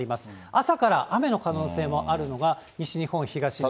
朝から雨の可能性もあるので、西日本、東日本。